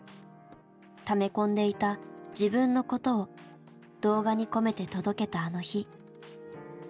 ため込んでいた「自分のこと」を動画に込めて届けたあの日。